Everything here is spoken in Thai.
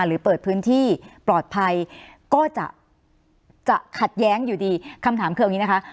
หรือเปิดพื้นที่ปลอดภัยก็จะขัดแย้งอยู่ดีคำถามคือเอาอย่างนี้นะคะ